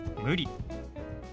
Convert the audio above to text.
「無理」。